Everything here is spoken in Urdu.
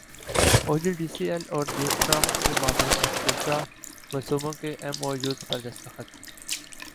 او جی ڈی سی ایل اور گیزپرام کے مابین مشترکہ منصوبوں کے ایم او یوز پر دستخط